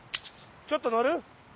ょっと乗る？